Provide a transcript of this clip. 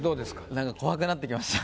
なんか怖くなってきました。